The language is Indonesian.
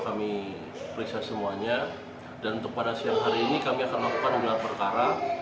kami periksa semuanya dan untuk pada siang hari ini kami akan melakukan gelar perkara